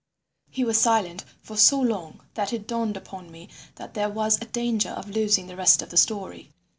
He was silent for so long that it dawned upon me that there was a danger of losing the rest of the story.